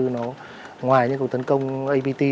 ngoài những cuộc tấn công apt